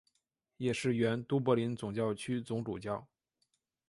也是原都柏林总教区总主教。